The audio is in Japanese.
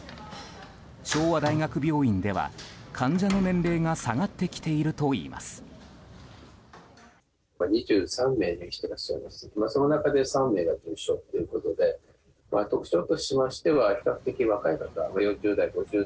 昭和大学病院では患者の年齢が下がってきているといいます。